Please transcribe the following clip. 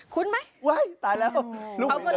คุ้นไหมเห้ยตายแล้วลูกหนึ่งเกินไม่ได้โอ้โฮ